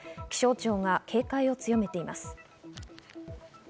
気象庁が警戒を強めています。